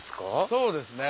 そうですね。